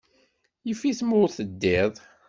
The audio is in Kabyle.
Yif-it ma ur teddiḍ.